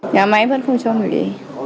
nhà máy vẫn không cho người đi